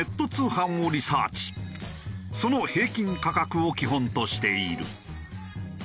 その平均価格を基本としている。